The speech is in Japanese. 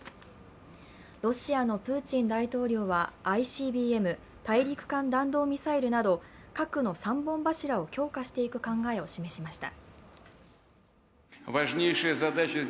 ロシアのプーチン大統領はＩＣＢＭ＝大陸間弾道ミサイルなど核の三本柱を強化していく考えを示しました。